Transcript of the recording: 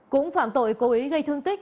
cũng phạm tội cố ý gây thương tích